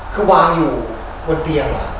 คือวางอยู่บนเตียง